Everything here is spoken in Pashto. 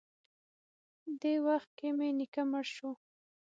دې وخت کښې مې نيکه مړ سو.